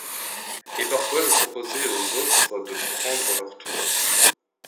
Et parfois je proposais aux autres de prendre leur tour.